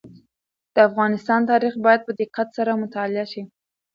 د افغانستان تاریخ باید په دقت سره مطالعه شي.